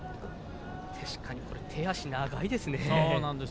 確かに手足、長いですね。